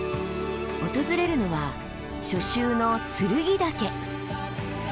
訪れるのは初秋の剱岳。